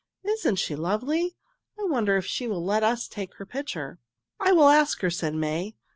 Isn't she lovely? I wonder if she will let us take her picture." "I will ask her," said May.